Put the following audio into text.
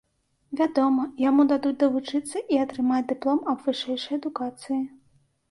Вядома, яму дадуць давучыцца і атрымаць дыплом аб вышэйшай адукацыі.